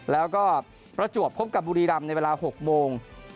แล้วก็ประจวบพบกับบุรีรำในเวลา๖โมง